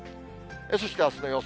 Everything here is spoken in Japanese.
そしてあすの予想